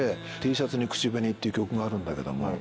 『Ｔシャツに口紅』っていう曲があるんだけども。